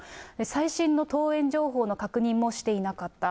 最新の登園情報の確認もしていなかった。